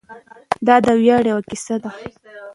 دا د ویاړ یوه کیسه ده.